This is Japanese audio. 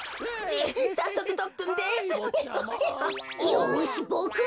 よしボクも！